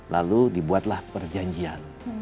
lalu dibuatlah perjanjian